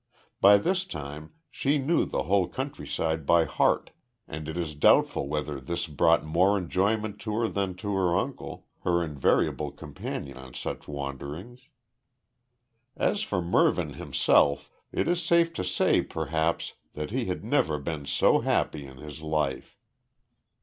By this time she knew the whole countryside by heart. And it is doubtful whether this brought more enjoyment to her than to her uncle her invariable companion on such wanderings. As for Mervyn himself, it is safe to say perhaps that he had never been so happy in his life.